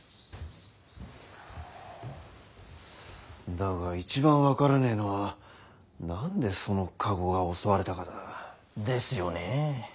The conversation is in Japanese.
だが一番分からねえのは何でその駕籠が襲われたかだ。ですよねえ。